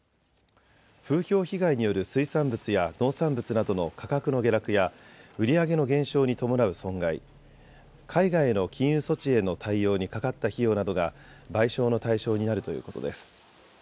風評被害による水産物や農産物などの価格の下落や売り上げの減少に伴う損害、海外の禁輸措置への対応にかかった費用などが賠償の対象になるということです。